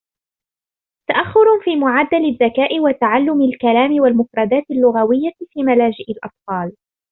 تأخر في معدل الذكاء وتعلم الكلام والمفردات اللغوية في ملاجئ الأطفال